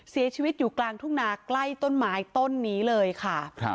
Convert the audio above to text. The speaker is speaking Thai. เสียชีวิตอยู่กลางทุ่งนาใกล้ต้นไม้ต้นนี้เลยค่ะ